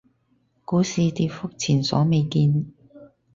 股市跌幅前所未見